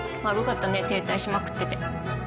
悪かったね停滞しまくってて。